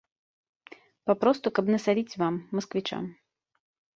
Папросту каб насаліць вам, масквічам.